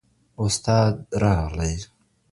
استاد راغلی.